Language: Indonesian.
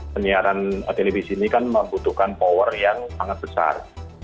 penyiaran televisi ini kan membutuhkan power yang sangat besar